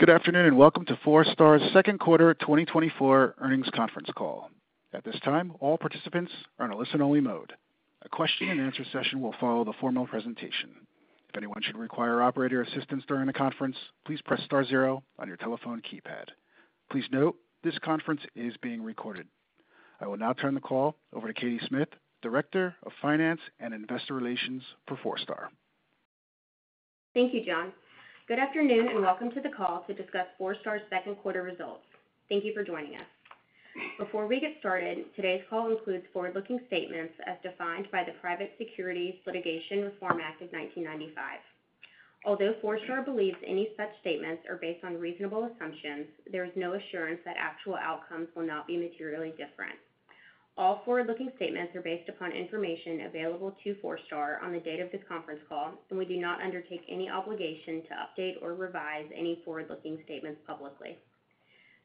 Good afternoon and welcome to Forestar's second quarter 2024 earnings conference call. At this time, all participants are in a listen-only mode. A question-and-answer session will follow the formal presentation. If anyone should require operator assistance during the conference, please press star zero on your telephone keypad. Please note, this conference is being recorded. I will now turn the call over to Katie Smith, Director of Finance and Investor Relations for Forestar. Thank you, John. Good afternoon and welcome to the call to discuss Forestar's second quarter results. Thank you for joining us. Before we get started, today's call includes forward-looking statements as defined by the Private Securities Litigation Reform Act of 1995. Although Forestar believes any such statements are based on reasonable assumptions, there is no assurance that actual outcomes will not be materially different. All forward-looking statements are based upon information available to Forestar on the date of this conference call, and we do not undertake any obligation to update or revise any forward-looking statements publicly.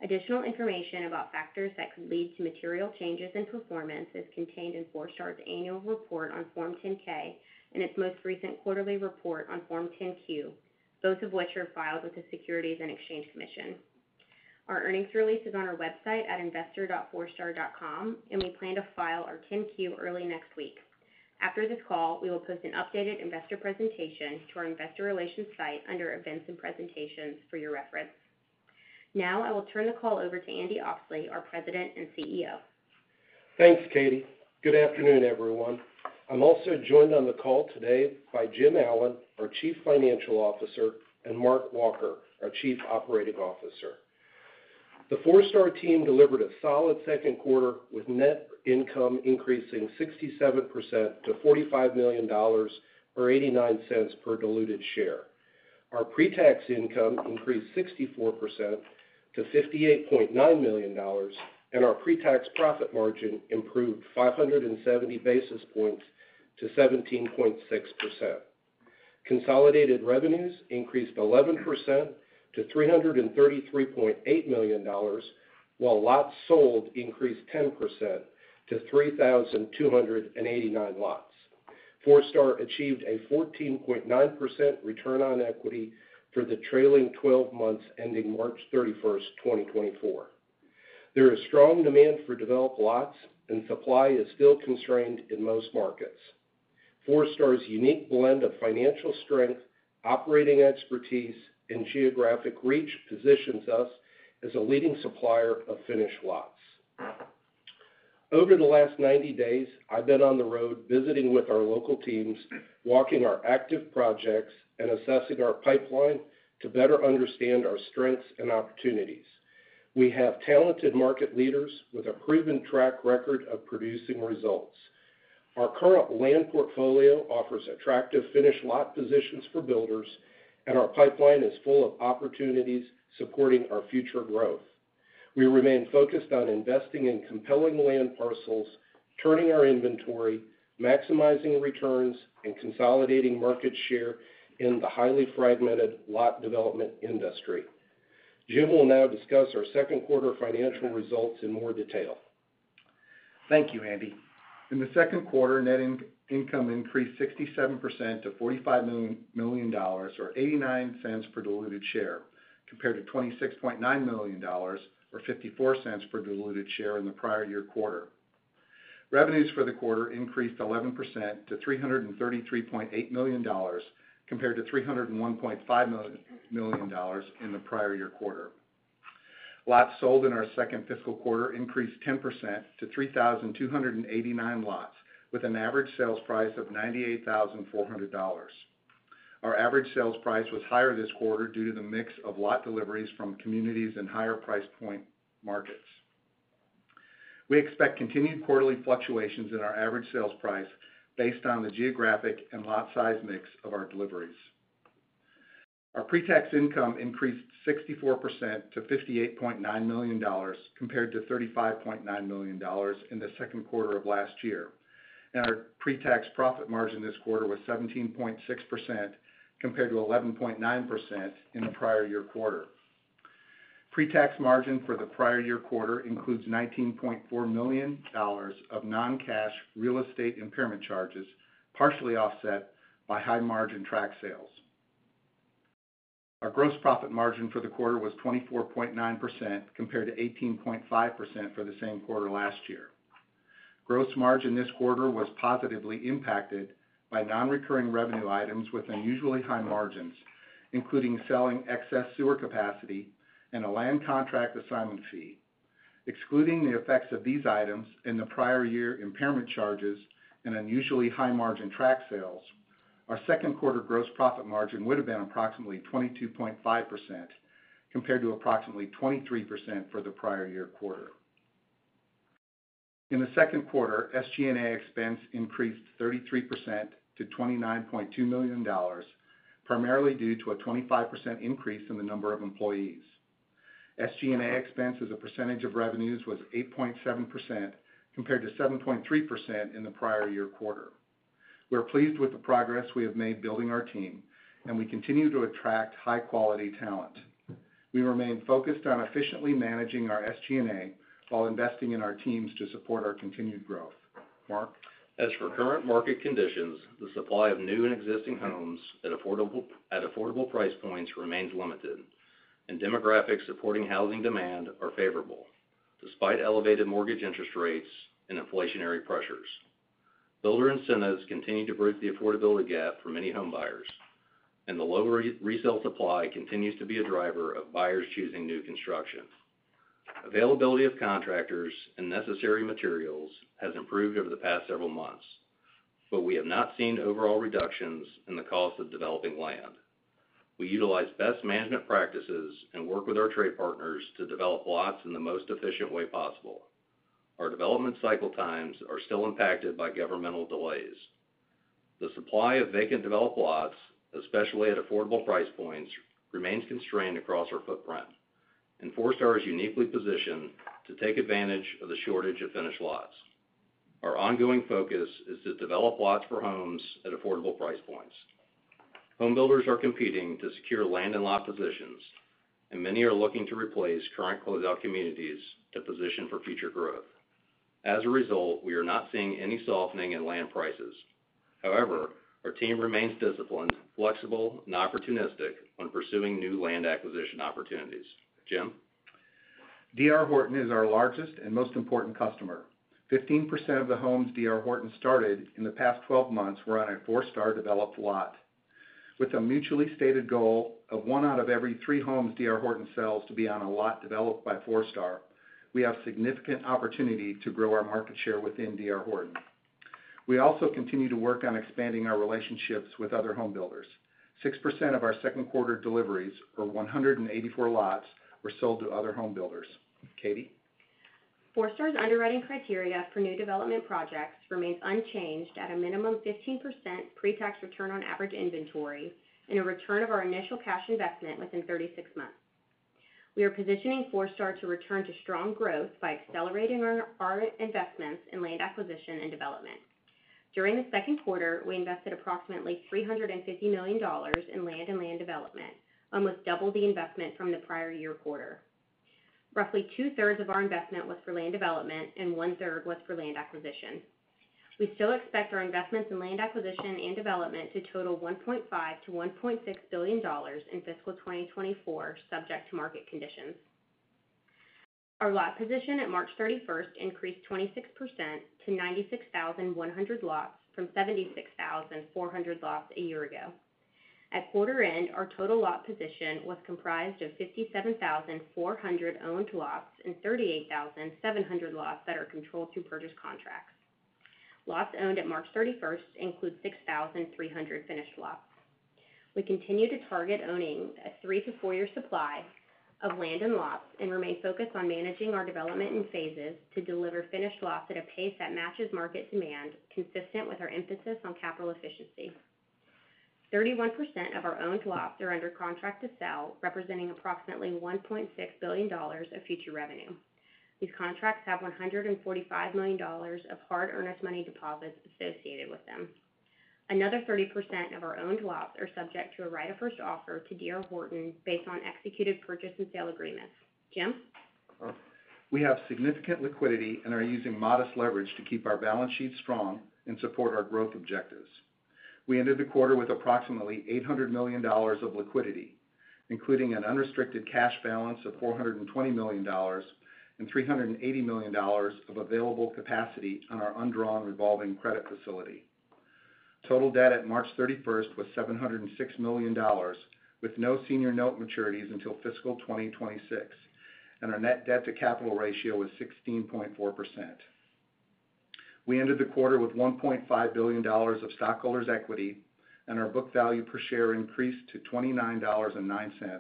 Additional information about factors that could lead to material changes in performance is contained in Forestar's annual report on Form 10-K and its most recent quarterly report on Form 10-Q, both of which are filed with the Securities and Exchange Commission. Our earnings release is on our website at investor.forestar.com, and we plan to file our 10-Q early next week. After this call, we will post an updated investor presentation to our investor relations site under Events and Presentations for your reference. Now I will turn the call over to Andy Oxley, our President and CEO. Thanks, Katie. Good afternoon, everyone. I'm also joined on the call today by Jim Allen, our Chief Financial Officer, and Mark Walker, our Chief Operating Officer. The Forestar team delivered a solid second quarter with net income increasing 67% to $45 million or $0.89 per diluted share. Our pre-tax income increased 64% to $58.9 million, and our pre-tax profit margin improved 570 basis points to 17.6%. Consolidated revenues increased 11% to $333.8 million, while lots sold increased 10% to 3,289 lots. Forestar achieved a 14.9% return on equity for the trailing 12 months ending March 31st, 2024. There is strong demand for developed lots, and supply is still constrained in most markets. Forestar's unique blend of financial strength, operating expertise, and geographic reach positions us as a leading supplier of finished lots. Over the last 90 days, I've been on the road visiting with our local teams, walking our active projects, and assessing our pipeline to better understand our strengths and opportunities. We have talented market leaders with a proven track record of producing results. Our current land portfolio offers attractive finished lot positions for builders, and our pipeline is full of opportunities supporting our future growth. We remain focused on investing in compelling land parcels, turning our inventory, maximizing returns, and consolidating market share in the highly fragmented lot development industry. Jim will now discuss our second quarter financial results in more detail. Thank you, Andy. In the second quarter, net income increased 67% to $45 million or $0.89 per diluted share, compared to $26.9 million or $0.54 per diluted share in the prior year quarter. Revenues for the quarter increased 11% to $333.8 million compared to $301.5 million in the prior year quarter. Lots sold in our second fiscal quarter increased 10% to 3,289 lots, with an average sales price of $98,400. Our average sales price was higher this quarter due to the mix of lot deliveries from communities and higher price point markets. We expect continued quarterly fluctuations in our average sales price based on the geographic and lot-size mix of our deliveries. Our pre-tax income increased 64% to $58.9 million compared to $35.9 million in the second quarter of last year, and our pre-tax profit margin this quarter was 17.6% compared to 11.9% in the prior year quarter. Pre-tax margin for the prior year quarter includes $19.4 million of non-cash real estate impairment charges, partially offset by high-margin tract sales. Our gross profit margin for the quarter was 24.9% compared to 18.5% for the same quarter last year. Gross margin this quarter was positively impacted by non-recurring revenue items with unusually high margins, including selling excess sewer capacity and a land contract assignment fee. Excluding the effects of these items and the prior year impairment charges and unusually high-margin tract sales, our second quarter gross profit margin would have been approximately 22.5% compared to approximately 23% for the prior year quarter. In the second quarter, SG&A expense increased 33% to $29.2 million, primarily due to a 25% increase in the number of employees. SG&A expense as a percentage of revenues was 8.7% compared to 7.3% in the prior year quarter. We're pleased with the progress we have made building our team, and we continue to attract high-quality talent. We remain focused on efficiently managing our SG&A while investing in our teams to support our continued growth. Mark? As for current market conditions, the supply of new and existing homes at affordable price points remains limited, and demographics supporting housing demand are favorable despite elevated mortgage interest rates and inflationary pressures. Builder incentives continue to bridge the affordability gap for many homebuyers, and the low resale supply continues to be a driver of buyers choosing new construction. Availability of contractors and necessary materials has improved over the past several months, but we have not seen overall reductions in the cost of developing land. We utilize best management practices and work with our trade partners to develop lots in the most efficient way possible. Our development cycle times are still impacted by governmental delays. The supply of vacant developed lots, especially at affordable price points, remains constrained across our footprint, and Forestar is uniquely positioned to take advantage of the shortage of finished lots. Our ongoing focus is to develop lots for homes at affordable price points. Homebuilders are competing to secure land and lot positions, and many are looking to replace current closeout communities to position for future growth. As a result, we are not seeing any softening in land prices. However, our team remains disciplined, flexible, and opportunistic when pursuing new land acquisition opportunities. Jim? D.R. Horton is our largest and most important customer. 15% of the homes D.R. Horton started in the past 12 months were on a Forestar developed lot. With a mutually stated goal of one out of every three homes D.R. Horton sells to be on a lot developed by Forestar, we have significant opportunity to grow our market share within D.R. Horton. We also continue to work on expanding our relationships with other homebuilders. 6% of our second quarter deliveries, or 184 lots, were sold to other homebuilders. Katie? Forestar's underwriting criteria for new development projects remains unchanged at a minimum 15% pre-tax return on average inventory and a return of our initial cash investment within 36 months. We are positioning Forestar to return to strong growth by accelerating our investments in land acquisition and development. During the second quarter, we invested approximately $350 million in land and land development, almost double the investment from the prior year quarter. Roughly 2/3 of our investment was for land development, and 1/3 was for land acquisition. We still expect our investments in land acquisition and development to total $1.5-$1.6 billion in fiscal 2024, subject to market conditions. Our lot position at March 31st increased 26% to 96,100 lots from 76,400 lots a year ago. At quarter end, our total lot position was comprised of 57,400 owned lots and 38,700 lots that are controlled through purchase contracts. Lots owned at March 31st include 6,300 finished lots. We continue to target owning a 3-4-year supply of land and lots and remain focused on managing our development in phases to deliver finished lots at a pace that matches market demand, consistent with our emphasis on capital efficiency. 31% of our owned lots are under contract to sell, representing approximately $1.6 billion of future revenue. These contracts have $145 million of hard earnest money deposits associated with them. Another 30% of our owned lots are subject to a right of first offer to D.R. Horton based on executed purchase and sale agreements. Jim? We have significant liquidity and are using modest leverage to keep our balance sheet strong and support our growth objectives. We ended the quarter with approximately $800 million of liquidity, including an unrestricted cash balance of $420 million and $380 million of available capacity on our undrawn revolving credit facility. Total debt at March 31st was $706 million, with no senior note maturities until fiscal 2026, and our net debt-to-capital ratio was 16.4%. We ended the quarter with $1.5 billion of stockholders' equity, and our book value per share increased to $29.09,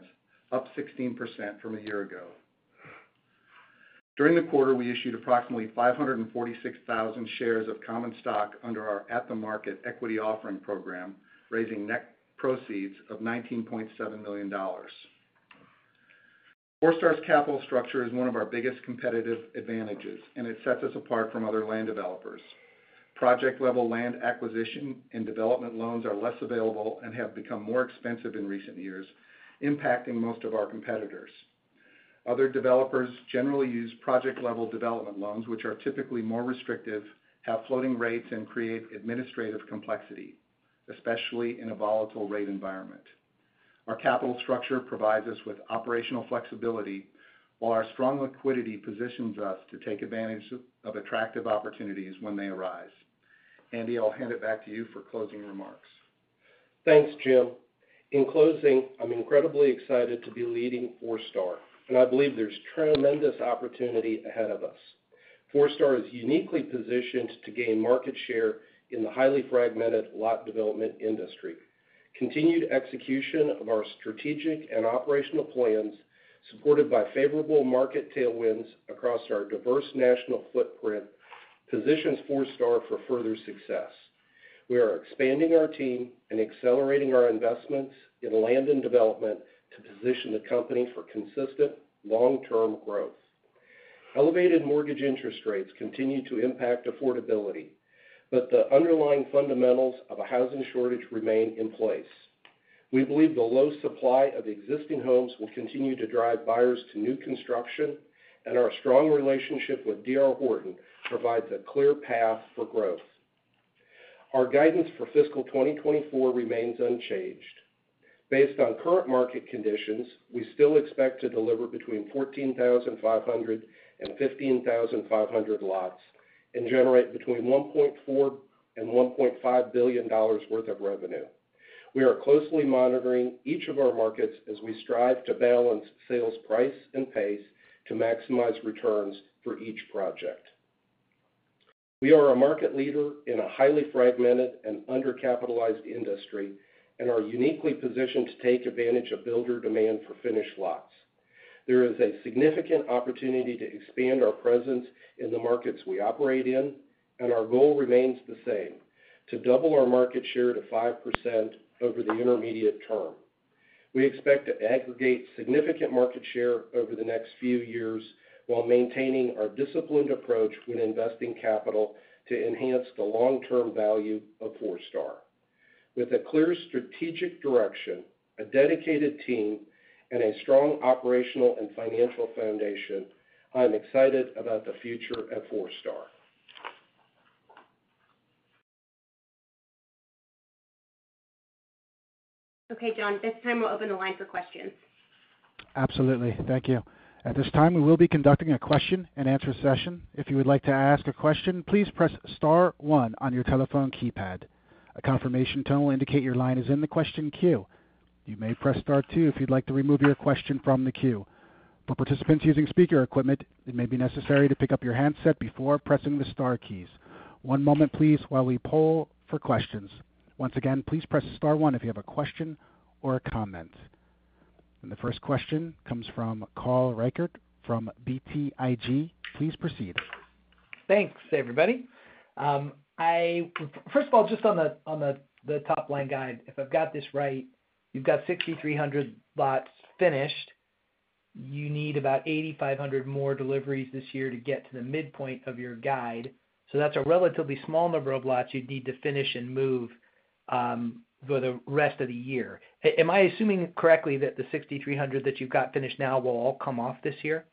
up 16% from a year ago. During the quarter, we issued approximately 546,000 shares of common stock under our At-the-Market Equity Offering program, raising net proceeds of $19.7 million. Forestar's capital structure is one of our biggest competitive advantages, and it sets us apart from other land developers. Project-level land acquisition and development loans are less available and have become more expensive in recent years, impacting most of our competitors. Other developers generally use project-level development loans, which are typically more restrictive, have floating rates, and create administrative complexity, especially in a volatile rate environment. Our capital structure provides us with operational flexibility, while our strong liquidity positions us to take advantage of attractive opportunities when they arise. Andy, I'll hand it back to you for closing remarks. Thanks, Jim. In closing, I'm incredibly excited to be leading Forestar, and I believe there's tremendous opportunity ahead of us. Forestar is uniquely positioned to gain market share in the highly fragmented lot development industry. Continued execution of our strategic and operational plans, supported by favorable market tailwinds across our diverse national footprint, positions Forestar for further success. We are expanding our team and accelerating our investments in land and development to position the company for consistent, long-term growth. Elevated mortgage interest rates continue to impact affordability, but the underlying fundamentals of a housing shortage remain in place. We believe the low supply of existing homes will continue to drive buyers to new construction, and our strong relationship with D.R. Horton provides a clear path for growth. Our guidance for fiscal 2024 remains unchanged. Based on current market conditions, we still expect to deliver between 14,500-15,500 lots and generate between $1.4 billion-$1.5 billion worth of revenue. We are closely monitoring each of our markets as we strive to balance sales price and pace to maximize returns for each project. We are a market leader in a highly fragmented and undercapitalized industry and are uniquely positioned to take advantage of builder demand for finished lots. There is a significant opportunity to expand our presence in the markets we operate in, and our goal remains the same: to double our market share to 5% over the intermediate term. We expect to aggregate significant market share over the next few years while maintaining our disciplined approach when investing capital to enhance the long-term value of Forestar. With a clear strategic direction, a dedicated team, and a strong operational and financial foundation, I am excited about the future at Forestar. Okay, John. This time we'll open the line for questions. Absolutely. Thank you. At this time, we will be conducting a question-and-answer session. If you would like to ask a question, please press star one on your telephone keypad. A confirmation tone will indicate your line is in the question queue. You may press star two if you'd like to remove your question from the queue. For participants using speaker equipment, it may be necessary to pick up your handset before pressing the star keys. One moment, please, while we poll for questions. Once again, please press star one if you have a question or a comment. The first question comes from Carl Reichardt from BTIG. Please proceed. Thanks, everybody. First of all, just on the top line guide, if I've got this right, you've got 6,300 lots finished. You need about 8,500 more deliveries this year to get to the midpoint of your guide. So that's a relatively small number of lots you'd need to finish and move for the rest of the year. Am I assuming correctly that the 6,300 that you've got finished now will all come off this year?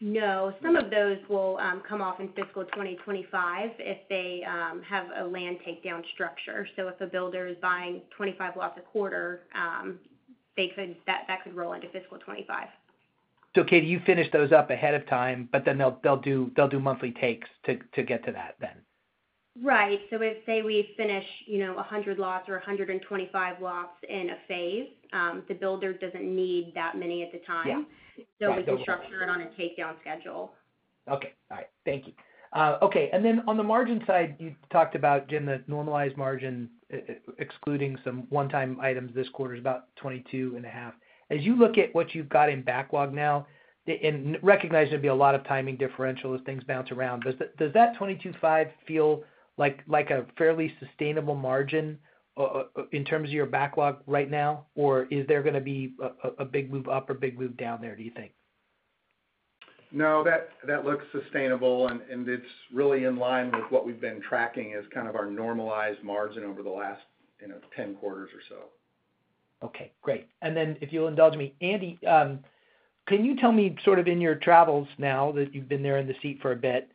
No. Some of those will come off in fiscal 2025 if they have a land takedown structure. So if a builder is buying 25 lots a quarter, that could roll into fiscal 2025. Katie, you finish those up ahead of time, but then they'll do monthly takes to get to that then? Right. So if, say, we finish 100 lots or 125 lots in a phase, the builder doesn't need that many at the time. So we can structure it on a takedown schedule. Okay. All right. Thank you. Okay. And then on the margin side, you talked about, Jim, the normalized margin excluding some one-time items. This quarter is about 22.5. As you look at what you've got in backlog now and recognize there'd be a lot of timing differential as things bounce around, does that 22.5 feel like a fairly sustainable margin in terms of your backlog right now, or is there going to be a big move up or big move down there, do you think? No, that looks sustainable, and it's really in line with what we've been tracking as kind of our normalized margin over the last 10 quarters or so. Okay. Great. And then if you'll indulge me, Andy, can you tell me sort of in your travels now that you've been there in the seat for a bit,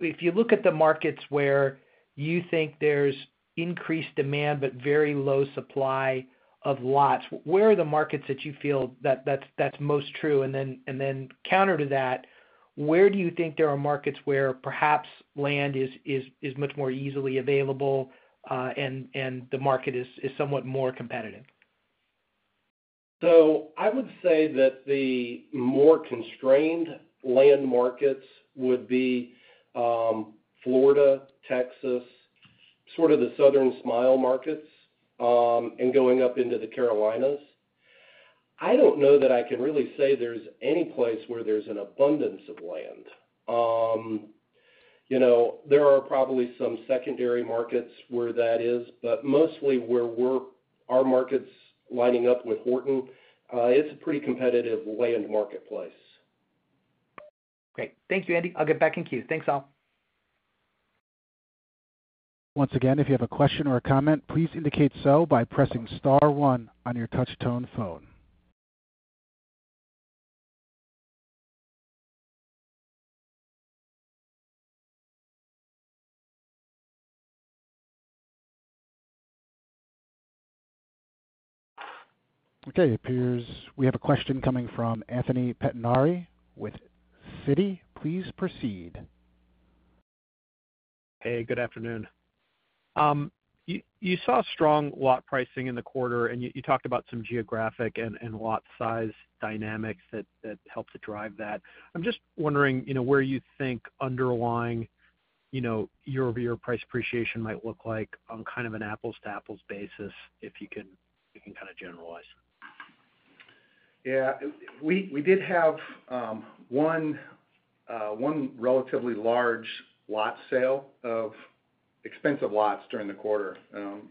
if you look at the markets where you think there's increased demand but very low supply of lots, where are the markets that you feel that's most true? And then counter to that, where do you think there are markets where perhaps land is much more easily available and the market is somewhat more competitive? So I would say that the more constrained land markets would be Florida, Texas, sort of the Southern Smile markets, and going up into the Carolinas. I don't know that I can really say there's any place where there's an abundance of land. There are probably some secondary markets where that is, but mostly where our market's lining up with Horton, it's a pretty competitive land marketplace. Great. Thank you, Andy. I'll get back in queues. Thanks, all. Once again, if you have a question or a comment, please indicate so by pressing star one on your touch-tone phone. Okay. It appears we have a question coming from Anthony Pettinari with Citi. Please proceed. Hey, good afternoon. You saw strong lot pricing in the quarter, and you talked about some geographic and lot size dynamics that helped to drive that. I'm just wondering where you think underlying year-over-year price appreciation might look like on kind of an apples-to-apples basis, if you can kind of generalize. Yeah. We did have one relatively large lot sale of expensive lots during the quarter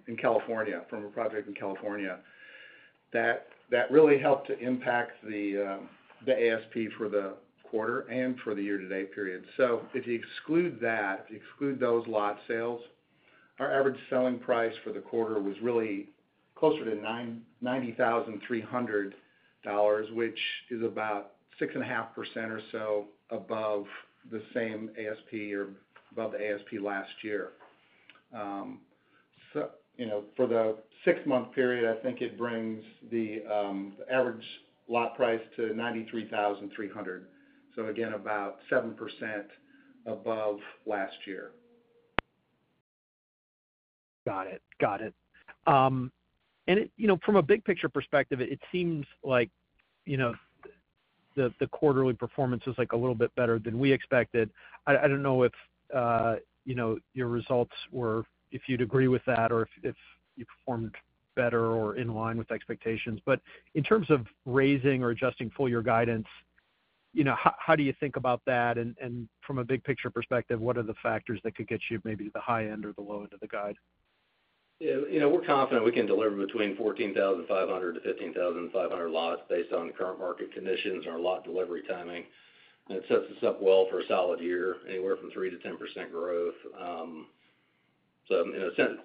in California from a project in California that really helped to impact the ASP for the quarter and for the year-to-date period. So if you exclude that, if you exclude those lot sales, our average selling price for the quarter was really closer to $90,300, which is about 6.5% or so above the same ASP or above the ASP last year. For the six-month period, I think it brings the average lot price to $93,300, so again, about 7% above last year. Got it. Got it. And from a big-picture perspective, it seems like the quarterly performance was a little bit better than we expected. I don't know if your results were if you'd agree with that or if you performed better or in line with expectations. But in terms of raising or adjusting full-year guidance, how do you think about that? And from a big-picture perspective, what are the factors that could get you maybe to the high end or the low end of the guide? Yeah. We're confident we can deliver between 14,500-15,500 lots based on current market conditions and our lot delivery timing. It sets us up well for a solid year, anywhere from 3%-10% growth.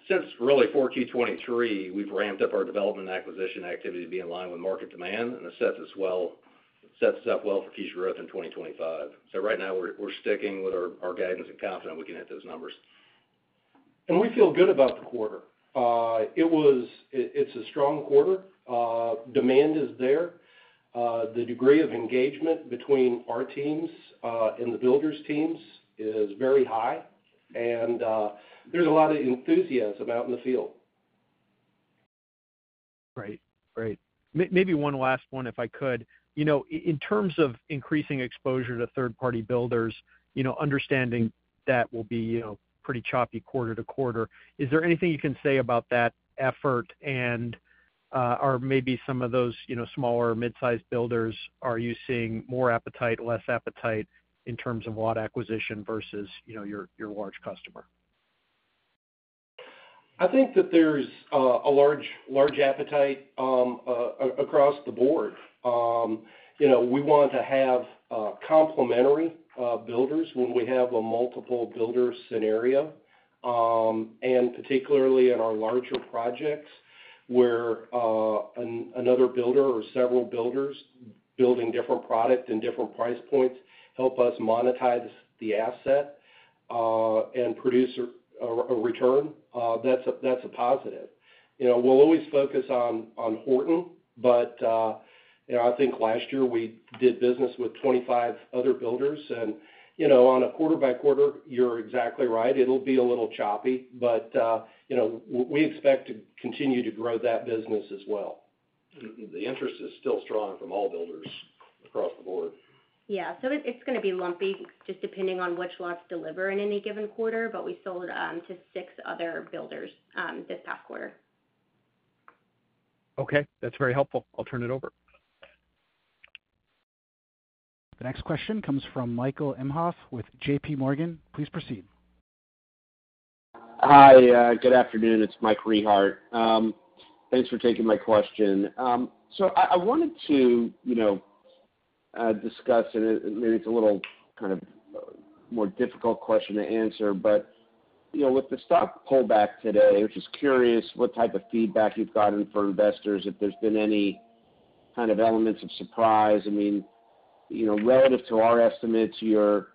Since really 4Q 2023, we've ramped up our development and acquisition activity to be in line with market demand, and it sets us up well for future growth in 2025. Right now, we're sticking with our guidance and confident we can hit those numbers. We feel good about the quarter. It's a strong quarter. Demand is there. The degree of engagement between our teams and the builders' teams is very high, and there's a lot of enthusiasm out in the field. Great. Great. Maybe one last one, if I could. In terms of increasing exposure to third-party builders, understanding that will be pretty choppy quarter to quarter, is there anything you can say about that effort? And are maybe some of those smaller or midsize builders, are you seeing more appetite, less appetite in terms of lot acquisition versus your large customer? I think that there's a large appetite across the board. We want to have complementary builders when we have a multiple builder scenario, and particularly in our larger projects where another builder or several builders building different product in different price points help us monetize the asset and produce a return. That's a positive. We'll always focus on Horton, but I think last year we did business with 25 other builders. And on a quarter-by-quarter, you're exactly right. It'll be a little choppy, but we expect to continue to grow that business as well. The interest is still strong from all builders across the board. Yeah. So it's going to be lumpy just depending on which lots deliver in any given quarter, but we sold to six other builders this past quarter. Okay. That's very helpful. I'll turn it over. The next question comes from Michael [Imhoff] with JPMorgan. Please proceed. Hi. Good afternoon. It's Mike Rehaut. Thanks for taking my question. So I wanted to discuss, and maybe it's a little kind of more difficult question to answer, but with the stock pullback today, I was just curious what type of feedback you've gotten for investors, if there's been any kind of elements of surprise. I mean, relative to our estimates, your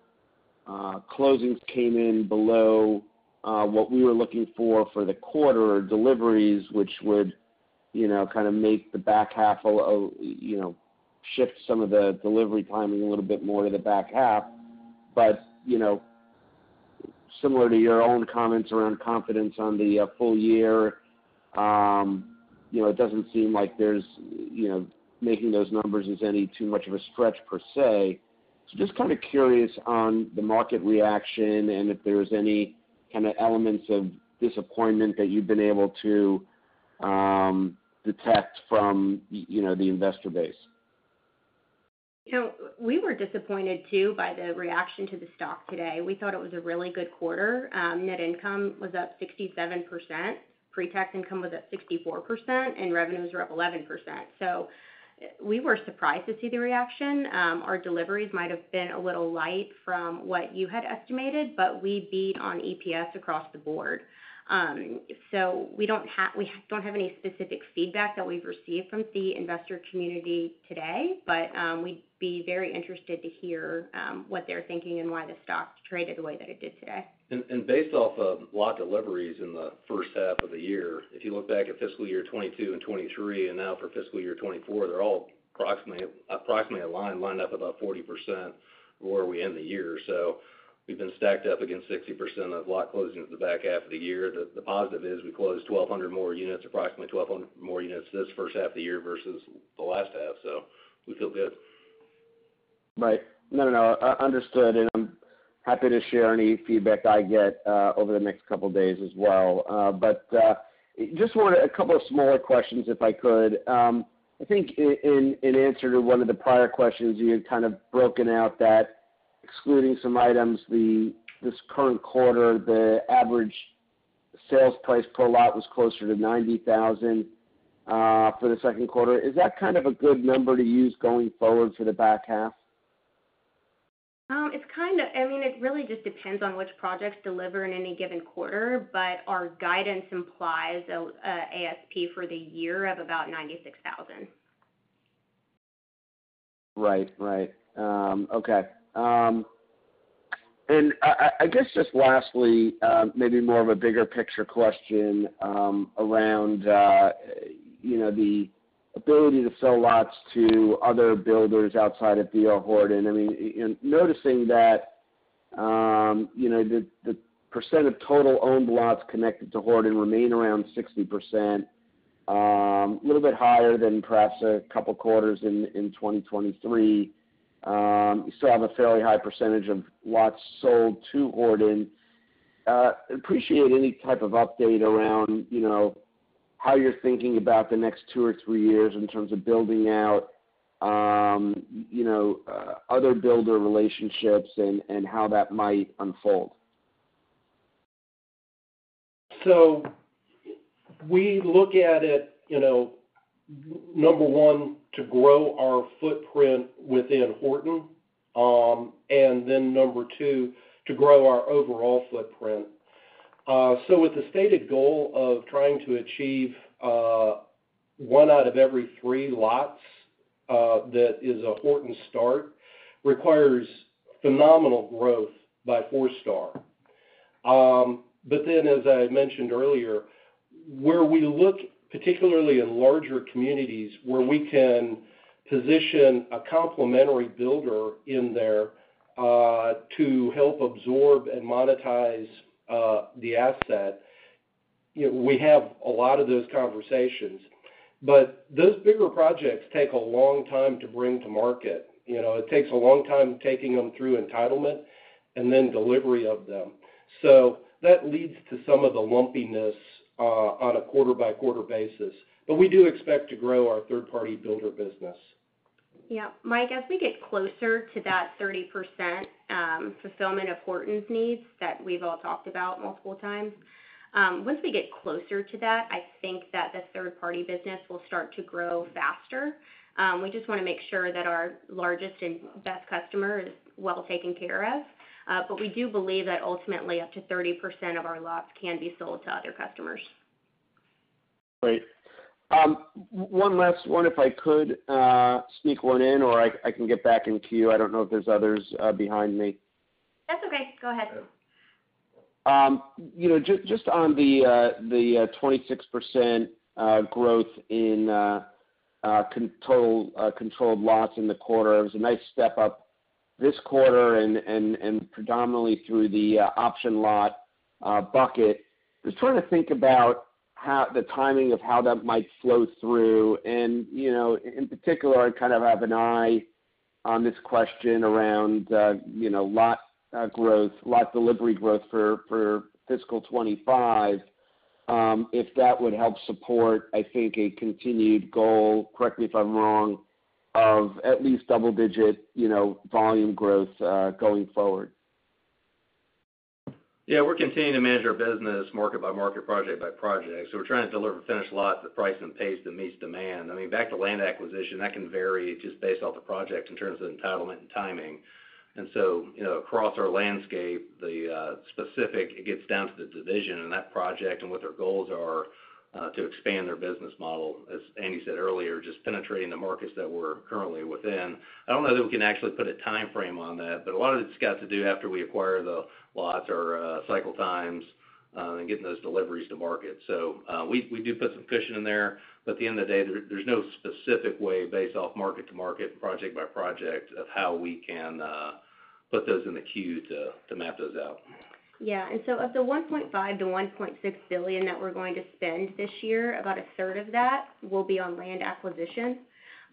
closings came in below what we were looking for for the quarter deliveries, which would kind of make the back half shift some of the delivery timing a little bit more to the back half. But similar to your own comments around confidence on the full year, it doesn't seem like making those numbers is any too much of a stretch, per se. Just kind of curious on the market reaction and if there's any kind of elements of disappointment that you've been able to detect from the investor base? We were disappointed, too, by the reaction to the stock today. We thought it was a really good quarter. Net income was up 67%. Pre-tax income was up 64%, and revenues were up 11%. So we were surprised to see the reaction. Our deliveries might have been a little light from what you had estimated, but we beat on EPS across the board. So we don't have any specific feedback that we've received from the investor community today, but we'd be very interested to hear what they're thinking and why the stock traded the way that it did today. Based off of lot deliveries in the first half of the year, if you look back at fiscal year 2022 and 2023 and now for fiscal year 2024, they're all approximately aligned, lined up about 40% where we end the year. So we've been stacked up against 60% of lot closings the back half of the year. The positive is we closed 1,200 more units, approximately 1,200 more units this first half of the year versus the last half. So we feel good. Right. No, no, no. Understood. And I'm happy to share any feedback I get over the next couple of days as well. But just wanted a couple of smaller questions, if I could. I think in answer to one of the prior questions, you had kind of broken out that excluding some items, this current quarter, the average sales price per lot was closer to $90,000 for the second quarter. Is that kind of a good number to use going forward for the back half? I mean, it really just depends on which projects deliver in any given quarter, but our guidance implies an ASP for the year of about $96,000. Right. Right. Okay. And I guess just lastly, maybe more of a bigger-picture question around the ability to sell lots to other builders outside of D.R. Horton. I mean, noticing that the percent of total owned lots connected to Horton remain around 60%, a little bit higher than perhaps a couple of quarters in 2023, you still have a fairly high percentage of lots sold to Horton. Appreciate any type of update around how you're thinking about the next two or three years in terms of building out other builder relationships and how that might unfold. So we look at it, number one, to grow our footprint within Horton, and then number two, to grow our overall footprint. So with the stated goal of trying to achieve one out of every three lots that is a Horton start requires phenomenal growth by Forestar. But then, as I mentioned earlier, where we look, particularly in larger communities, where we can position a complementary builder in there to help absorb and monetize the asset, we have a lot of those conversations. But those bigger projects take a long time to bring to market. It takes a long time taking them through entitlement and then delivery of them. So that leads to some of the lumpiness on a quarter-by-quarter basis. But we do expect to grow our third-party builder business. Yeah. Mike, as we get closer to that 30% fulfillment of Horton's needs that we've all talked about multiple times, once we get closer to that, I think that the third-party business will start to grow faster. We just want to make sure that our largest and best customer is well taken care of. But we do believe that ultimately, up to 30% of our lots can be sold to other customers. Great. One last one, if I could sneak one in, or I can get back in queue. I don't know if there's others behind me. That's okay. Go ahead. Just on the 26% growth in total controlled lots in the quarter, it was a nice step up this quarter and predominantly through the option lot bucket. Just trying to think about the timing of how that might flow through. And in particular, I kind of have an eye on this question around lot growth, lot delivery growth for fiscal 2025, if that would help support, I think, a continued goal - correct me if I'm wrong - of at least double-digit volume growth going forward. Yeah. We're continuing to manage our business market by market, project by project. So we're trying to deliver finished lots at price and pace that meets demand. I mean, back to land acquisition, that can vary just based off the project in terms of entitlement and timing. And so across our landscape, it gets down to the division and that project and what their goals are to expand their business model, as Andy said earlier, just penetrating the markets that we're currently within. I don't know that we can actually put a timeframe on that, but a lot of it's got to do after we acquire the lots or cycle times and getting those deliveries to market. So we do put some cushion in there. At the end of the day, there's no specific way based off market to market, project by project, of how we can put those in the queue to map those out. Yeah. And so of the $1.5 billion-$1.6 billion that we're going to spend this year, about a third of that will be on land acquisition.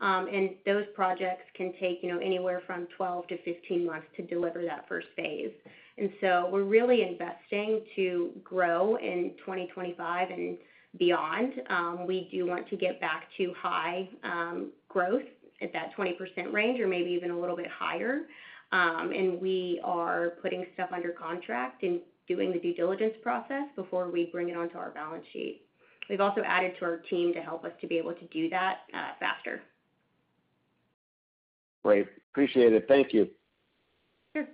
And those projects can take anywhere from 12-15 months to deliver that first phase. And so we're really investing to grow in 2025 and beyond. We do want to get back to high growth at that 20% range or maybe even a little bit higher. And we are putting stuff under contract and doing the due diligence process before we bring it onto our balance sheet. We've also added to our team to help us to be able to do that faster. Great. Appreciate it. Thank you. Sure.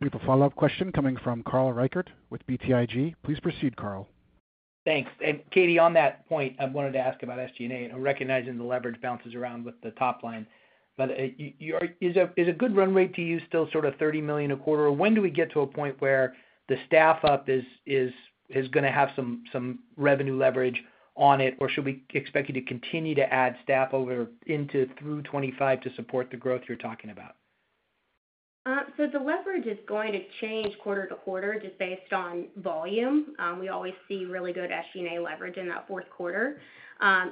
We have a follow-up question coming from Carl Reichardt with BTIG. Please proceed, Carl. Thanks. And Katie, on that point, I wanted to ask about SG&A. I'm recognizing the leverage bounces around with the top line. But is a good run rate to use still sort of $30 million a quarter, or when do we get to a point where the staff up is going to have some revenue leverage on it, or should we expect you to continue to add staff over into through 2025 to support the growth you're talking about? The leverage is going to change quarter to quarter just based on volume. We always see really good SG&A leverage in that fourth quarter.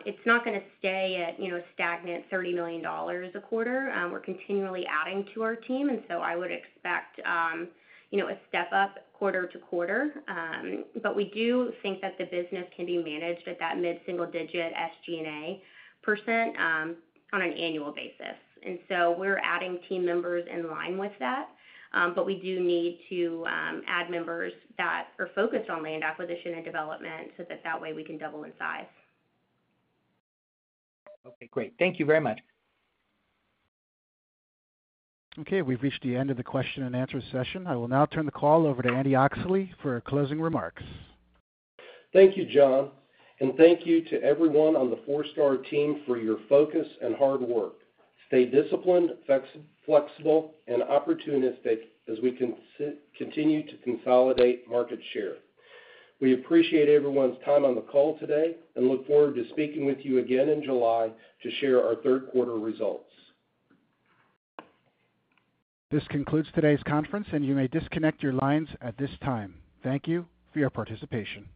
It's not going to stay at a stagnant $30 million a quarter. We're continually adding to our team, and so I would expect a step up quarter to quarter. But we do think that the business can be managed at that mid-single-digit SG&A percent on an annual basis. And so we're adding team members in line with that, but we do need to add members that are focused on land acquisition and development so that that way we can double in size. Okay. Great. Thank you very much. Okay. We've reached the end of the question and answer session. I will now turn the call over to Andy Oxley for closing remarks. Thank you, John. Thank you to everyone on the Forestar team for your focus and hard work. Stay disciplined, flexible, and opportunistic as we continue to consolidate market share. We appreciate everyone's time on the call today and look forward to speaking with you again in July to share our third-quarter results. This concludes today's conference, and you may disconnect your lines at this time. Thank you for your participation.